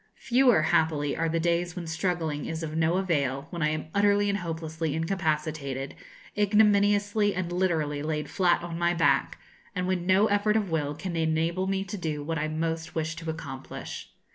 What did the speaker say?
Fewer, happily, are the days when struggling is of no avail, when I am utterly and hopelessly incapacitated, ignominiously and literally laid flat on my back, and when no effort of will can enable me to do what I most wish to accomplish.